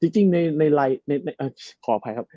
จริงในขออภัยครับ